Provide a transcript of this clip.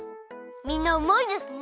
みんなうまいですね。